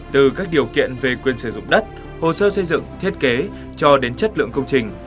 từ các điều kiện về quyền sử dụng đất hồ sơ xây dựng thiết kế cho đến chất lượng công trình